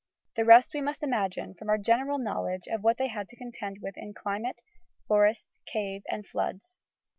The rest we must imagine from our general knowledge of what they had to contend with in climate, forest, cave, and floods.